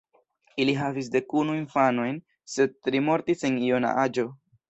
Ili havis dekunu infanojn, sed tri mortis en juna aĝo.